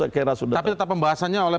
tapi tetap pembahasannya oleh